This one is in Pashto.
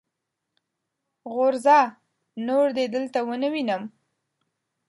غورځه! نور دې دلته و نه وينم.